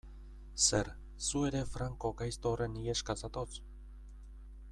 Zer, zu ere Franco gaizto horren iheska zatoz?